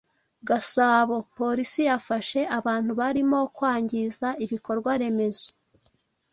Gasabo: Polisi yafashe abantu barimo kwangiza ibikorwaremezo